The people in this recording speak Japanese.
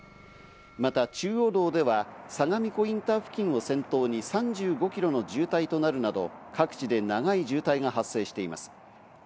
また中央道では相模湖インター付近を先頭に３５キロの渋滞となるなど、各地で長い渋滞が発生しています。